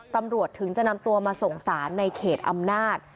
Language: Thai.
ตำรวจถึงจะนำตัวมาส่งสารในเขตอำนาจ